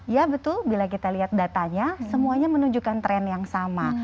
ya betul bila kita lihat datanya semuanya menunjukkan tren yang sama